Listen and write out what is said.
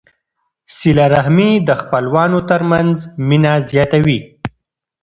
صله رحمي د خپلوانو ترمنځ مینه زیاتوي.